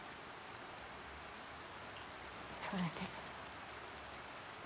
それで。